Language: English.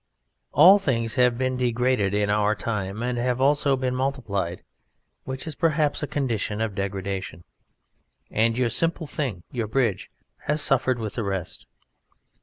All things have been degraded in our time and have also been multiplied, which is perhaps a condition of degradation; and your simple thing, your bridge, has suffered with the rest.